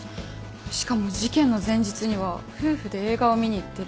しかも事件の前日には夫婦で映画を見に行ってる。